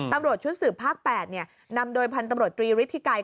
ตำรวจชุดสืบภาค๘นำโดยพันธุ์ตำรวจตรีฤทธิไกร